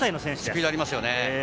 スピードがありますよね。